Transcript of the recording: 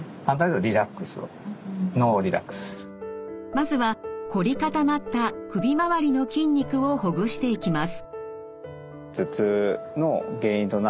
まずはこり固まった首まわりの筋肉をほぐしていきます。